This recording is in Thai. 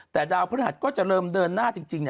แต่ดาวพฤหัสก็จะเริ่มเดินหน้าจริง